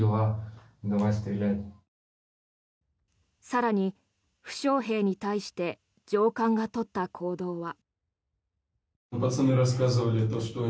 更に、負傷兵に対して上官が取った行動は。